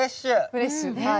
フレッシュはい。